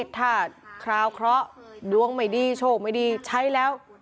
ถ้าคราวเคราะห์ดวงไม่ดีโชคไม่ดีใช้แล้ว